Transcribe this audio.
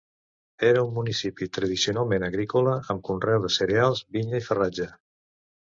Era un municipi tradicionalment agrícola, amb conreu de cereals, vinya i farratge.